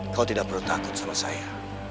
kau tidak perlu takut sama saya